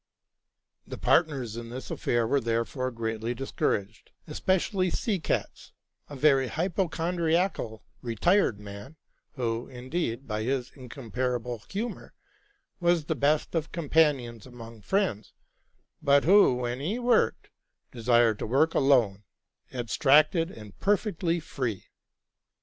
The partners in this affair were therefore gre eatly dis couraged, especially Seekatz, a very hy pochondriacal, retired man, who, indeed, by his incomparable humor, was the best of companions among friends, but who, when he worked, desired to work alone, abstracted and perfectly free.